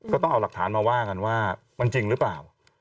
ก็ต้องเอาหลักฐานมาว่ากันว่ามันจริงหรือเปล่า